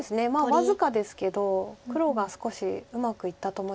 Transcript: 僅かですけど黒が少しうまくいったと思います。